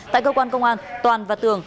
tại cơ quan công an toàn và tường